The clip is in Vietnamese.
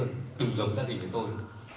và đừng để giống gia đình của tôi